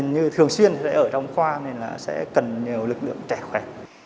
như thường xuyên ở trong khoa nên là sẽ cần nhiều lực lượng trẻ khỏe